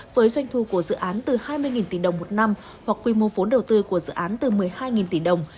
với doanh thu của dự án từ hai mươi tỷ đồng một năm hoặc quy mô vốn đầu tư của dự án từ một mươi hai tỷ đồng